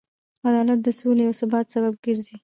عدالت د سولې او ثبات سبب ګرځي.